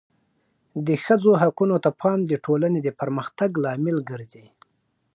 د ښځو حقونو ته پام د ټولنې د پرمختګ لامل ګرځي.